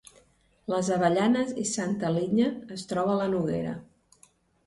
Les Avellanes i Santa Linya es troba a la Noguera